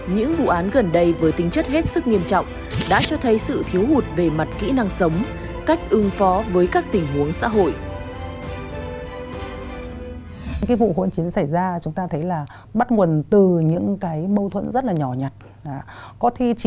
những vụ án gần đây với tính chất hết sức nghiêm trọng đã cho thấy sự thiếu hụt về mặt kỹ năng sống cách ứng phó với các tình huống xã hội